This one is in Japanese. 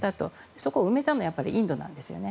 そこを埋めたのはやっぱりインドなんですね。